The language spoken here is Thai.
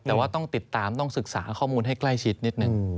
แต่ว่าต้องติดตามต้องศึกษาข้อมูลให้ใกล้ชิดนิดนึง